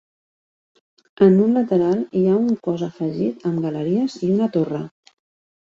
En un lateral hi ha un cos afegit amb galeries i una torre.